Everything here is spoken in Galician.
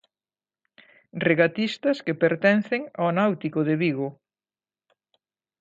Regatistas que pertencen ao Náutico de Vigo.